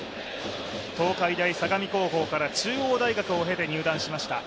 東海大相模高校から中央大学を経て入団しました。